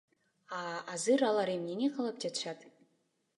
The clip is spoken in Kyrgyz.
А азыр алар эмнени каалап жатышат?